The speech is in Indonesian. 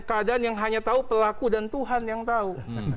keadaan yang hanya tahu pelaku dan tuhan yang tahu